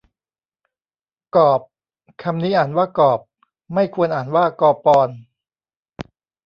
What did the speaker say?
กอปร คำนี้อ่านว่ากอบ ไม่ควรอ่านว่ากอปอน